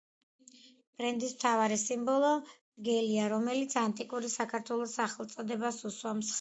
ბრენდის მთავარი სიმბოლო მგელია, რომელიც ანტიკური საქართველოს სახელწოდებას უსვამს ხაზს.